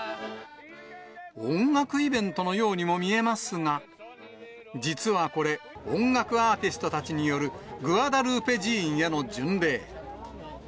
音楽イベントのようにも見えますが、実はこれ、音楽アーティストたちによるグアダルーペ寺院への巡礼。